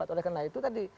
oleh karena itu tadi